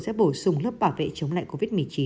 sẽ bổ sung lớp bảo vệ chống lại covid một mươi chín